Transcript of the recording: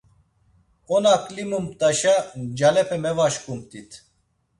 Ona klimumt̆aşa ncalepe mevaşǩumt̆it.